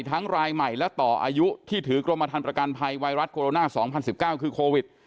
ทั้งรายใหม่และต่ออายุที่ถือกรมฐานประกันภัยไวรัสโคโรนาสองพันสิบเก้าคือโควิด